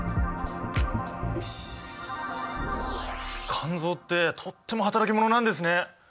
肝臓ってとっても働き者なんですね。